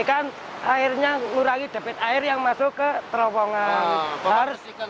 kan akhirnya ngurangi debit air yang masuk ke terowongan